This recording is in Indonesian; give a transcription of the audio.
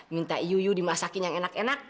minta iu iu dimasakin yang enak enak